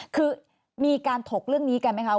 คือมีการถกเรื่องนี้กันไหมคะ